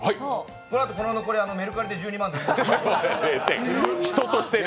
このあと、この残りメルカリで１２万で売ります。